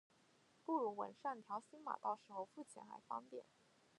不如纹上条形码，到时候付钱还方便